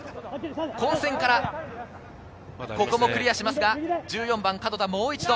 混戦からここもクリアしますが、１４番・角田もう一度。